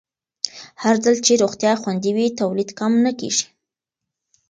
هرځل چې روغتیا خوندي وي، تولید کم نه کېږي.